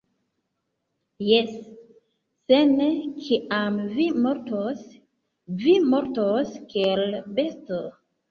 Jes! Se ne, kiam vi mortos, vi mortos kiel besto